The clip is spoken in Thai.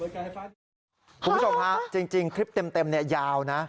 คุณผู้ชมฮะจริงคลิปเต็มยาวนะ